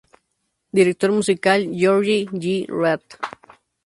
Director musical: György G. Rath.